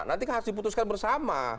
nanti harus diputuskan bersama